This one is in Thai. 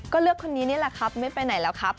ก็เลือกคนนี้นี่แหละครับไม่ไปไหนแล้วครับ